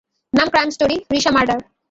নাম crime story Risha murder.